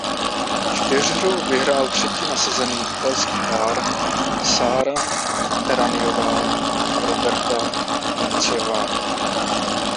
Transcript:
Čtyřhru vyhrál třetí nasazený italský pár Sara Erraniová a Roberta Vinciová.